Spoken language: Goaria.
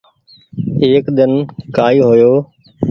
ايڪ ۮن ڪآئي هو يو